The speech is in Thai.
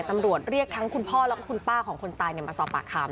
ตำรวจเรียกทั้งคุณพ่อแล้วก็คุณป้าของคนตายมาสอบปากคำ